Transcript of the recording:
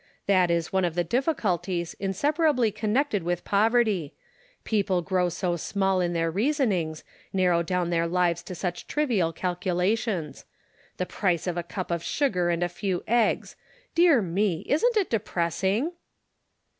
That is one of the difficulties insep arably connected with poverty ; people grow so small in their reasonings, narrow down their lives to such trivial calculations. The price of a cup of sugar and a few eggs. Dear me ! isn't it depressing?"